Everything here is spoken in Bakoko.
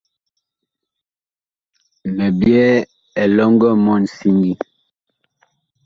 Mi byɛɛ elɔŋgɔ mɔɔn siŋgi.